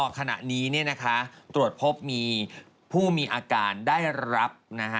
คณะนี้เนี่ยนะคะตรวจพบผู้มีอาการได้รับ